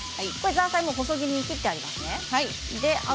ザーサイは細切りに切ってありますね。